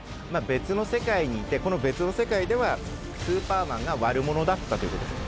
別の世界にいてこの別の世界ではスーパーマンが悪者だったということです。